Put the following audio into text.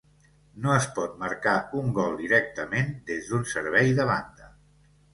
No es pot marcar un gol directament des d'un servei de banda.